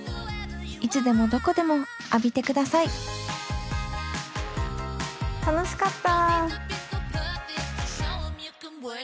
いつでもどこでも浴びてください楽しかった。